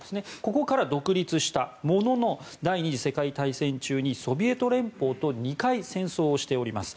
ここから独立したものの第２次世界大戦中にソビエト連邦と２回戦争をしております。